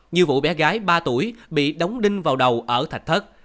như vụ bé gái ba tuổi bị đống đinh vào đầu ở thạch thất